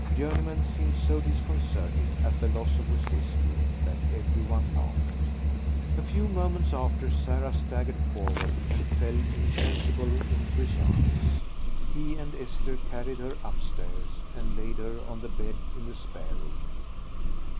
Journeyman seemed so disconcerted at the loss of his whisky that every one laughed. A few moments after Sarah staggered forward and fell insensible into his arms. He and Esther carried her upstairs and laid her on the bed in the spare room.